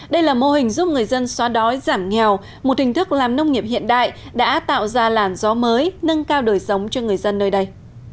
đây là mô hình giúp người dân xóa đói giảm nghèo một hình thức làm nông nghiệp hiện đại đã tạo ra làn gió mới nâng cao đời sống cho người dân nơi đây